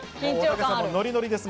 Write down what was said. ノリノリです。